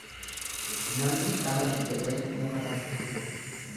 Namni dhama'i jedheen muka takka hidha.